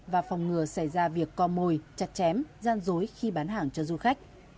và phòng ngừa xảy ra việc co mồi chặt chém gian dối khi bán hàng cho du khách